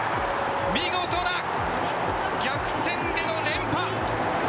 見事な逆転での連覇。